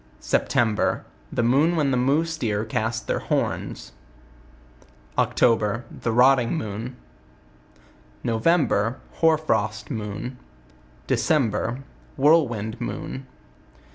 The moon when theMoose Deercasttheirhorn8 October The rotting moon. November % Hoar frost moon. December Whirlwind moon.